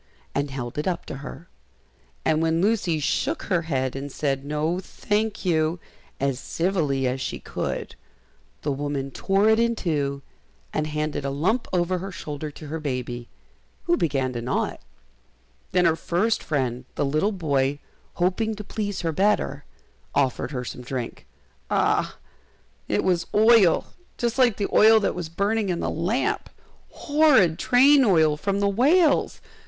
and held it up to her; and when Lucy shook her head and said, "No, thank you," as civilly as she could, the woman tore it in two, and handed a lump over her shoulder to her baby, who began to gnaw it. Then her first friend, the little boy, hoping to please her better, offered her some drink. Ah! it was oil, just like the oil that was burning in the lamp! horrid train oil from the whales!